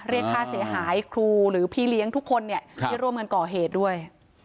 เรียนภาษาเสียหาให้ครูหรือพี่เลี้ยงทุกคนได้ร่วมเงินก่อเหตุด้วย